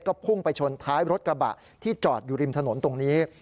ก็พุ่งไปชนท้ายรถกระบะที่จอดอยู่ริมถนนตรงนี้